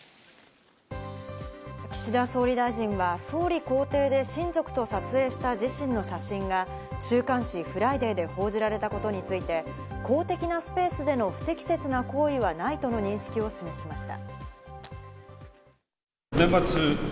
岸田総理大臣は総理公邸で親族と撮影した自身の写真が週刊誌『ＦＲＩＤＡＹ』で報じられたことについて、公的なスペースでの不適切な行為はないとの認識を示しました。